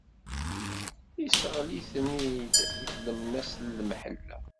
Isseɣli-ten-id di tlemmast n lemḥella.